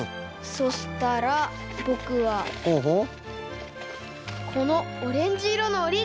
そしたらぼくはこのオレンジいろのおりがみで。